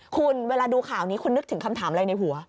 คุณเวลาดูข่าวนี้คุณนึกถึงคำถามอะไรในหัว